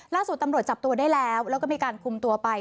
ล่าสุดตำรวจจับตัวได้แล้วแล้วก็มีการคุมตัวไป